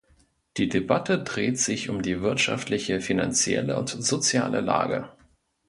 Die Debatte dreht sich um die wirtschaftliche, finanzielle und soziale Lage.